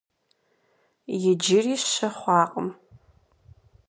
Иджыри щы хъуакъым.